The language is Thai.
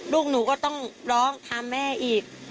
ลูกหนูก็ต้องฆ้าแม่อีก